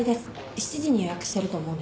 ７時に予約してると思うんですけど。